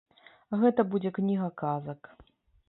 Гэта будзе кніга казак.